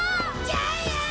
ジャイアン！